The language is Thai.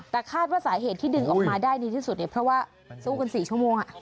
แต่คาดว่าสาเหตุที่ดึงออกมาได้ดีที่สุดเนี่ยเพราะว่าสู้กัน๔ชั่วโมง